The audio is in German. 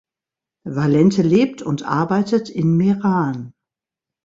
Valente lebt und arbeitet in Meran.